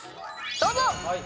どうぞ！